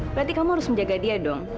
berarti kamu harus menjaga dia dong